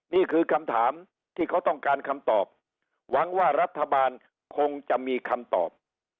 นี่คือคำถามที่เขาต้องการคำตอบหวังว่ารัฐบาลคงจะมีคำตอบ